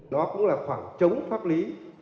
đó cũng là khoảng trống pháp lý